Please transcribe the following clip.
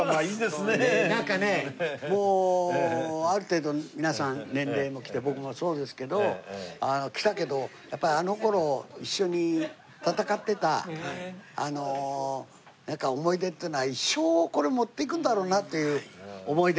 なんかねもうある程度皆さん年齢もきて僕もそうですけどきたけどやっぱりあの頃一緒に戦ってた思い出っていうのは一生これ持っていくんだろうなっていう思い出が。